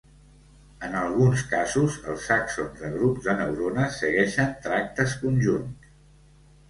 En alguns casos, els axons de grups de neurones segueixen tractes conjunts.